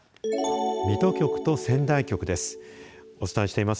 水戸局と仙台局です。